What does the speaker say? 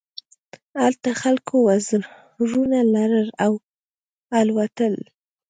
هلته خلکو وزرونه لرل او الوتل.